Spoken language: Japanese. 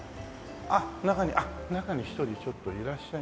あっ中に一人ちょっといらっしゃいます。